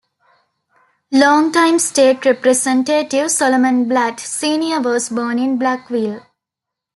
Longtime state representative Solomon Blatt, Senior was born in Blackville.